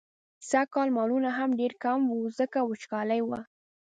سږکال مالونه هم ډېر کم وو، ځکه وچکالي وه.